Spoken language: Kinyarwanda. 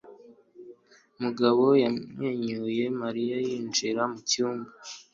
Mugabo yamwenyuye Mariya yinjira mucyumba.